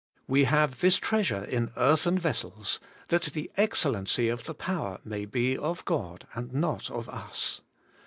'We have this treas ure in earthen vessels, that the excellency of the power may be of God and not of us.